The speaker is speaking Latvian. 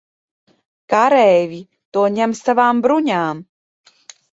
Kareivji to ņem savām bruņām.